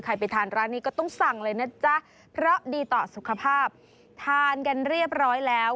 ไปทานร้านนี้ก็ต้องสั่งเลยนะจ๊ะเพราะดีต่อสุขภาพทานกันเรียบร้อยแล้ว